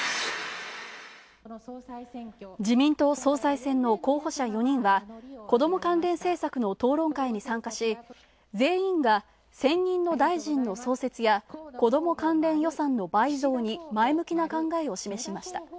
自民党総裁選の候補者４人はこども関連政策の討論会に参加し、全員が専任の大臣の創設やこども関連予算の倍増に前向きな考えを示しました。